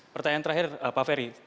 pertanyaan terakhir pak ferry